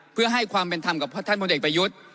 เพื่อให้ความเป็นธรรมกับท่านพลเอกประยุทธ์